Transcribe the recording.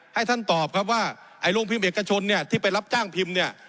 ให้ท่านตอบครับว่าไอ้โรงพิมพ์เอกชนเนี่ยที่ไปรับจ้างพิมพ์เนี่ย